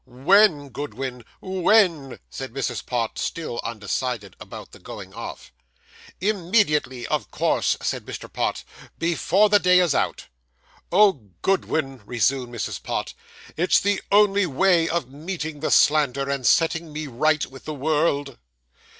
'When, Goodwin when?' said Mrs. Pott, still undecided about the going off. 'Immediately, of course,' said Mr. Pott; 'before the day is out.' 'Oh, Goodwin,' resumed Mrs. Pott, 'it's the only way of meeting the slander, and setting me right with the world.